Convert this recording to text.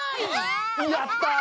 やったぁ！